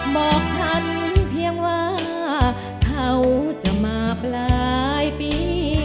บอกฉันเพียงว่าเขาจะมาปลายปี